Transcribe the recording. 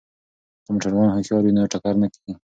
که موټروان هوښیار وي نو ټکر نه کیږي.